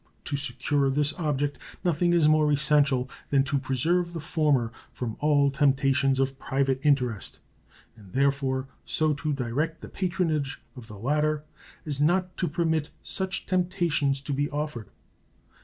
To secure this object nothing is more essential than to preserve the former from all temptations of private interest, and therefore so to direct the patronage of the latter as not to permit such temptations to be offered.